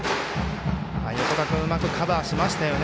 横田君、うまくカバーしましたよね。